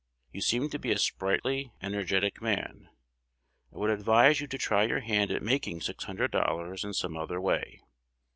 You seem to be a sprightly, energetic man. I would advise you to try your hand at making six hundred dollars in some other way."'"